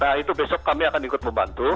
nah itu besok kami akan ikut membantu